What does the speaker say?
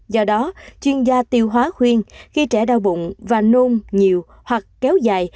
do đó chuyên gia tiêu hóa khuyên khi trẻ đau bụng và nôn nhiều hoặc kéo dài